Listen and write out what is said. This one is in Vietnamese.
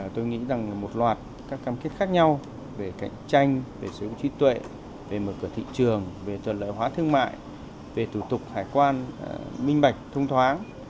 tôi nghĩ rằng một loạt các cam kết khác nhau về cạnh tranh về sở hữu trí tuệ về mở cửa thị trường về thuận lợi hóa thương mại về thủ tục hải quan minh bạch thông thoáng